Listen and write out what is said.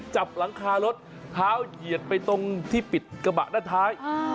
จับหลังคารถเท้าเหยียดไปตรงที่ปิดกระบะด้านท้าย